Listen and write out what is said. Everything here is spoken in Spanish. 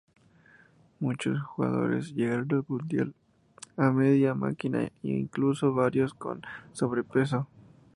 Muchos jugadores llegaron al Mundial a media máquina e incluso varios con sobrepeso.